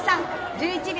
１１秒